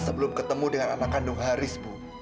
sebelum ketemu dengan anak kandung haris bu